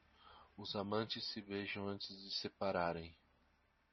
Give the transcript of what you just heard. Os amantes se beijam antes de se separarem.